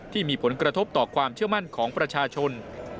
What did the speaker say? ที่มีผลกระทบต่อความเชื่อมั่นของประชาชน